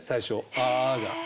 「ああ」が。